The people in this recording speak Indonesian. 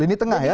lini tengah ya